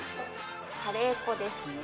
カレー粉ですね。